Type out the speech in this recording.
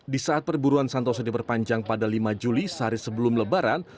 di saat perburuan santoso diperpanjang pada lima juli sehari sebelum lebaran